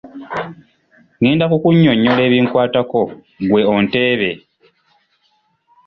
Ngenda kukunnyonnyola ebinkwatako ggwe onteebe.